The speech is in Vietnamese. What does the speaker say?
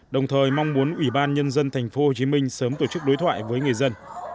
đồng thời mong muốn ủy ban nhân dân tp hcm sớm tổ chức đối thoại với người dân